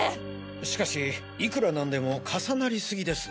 しかしいくらなんでも重なり過ぎですよ。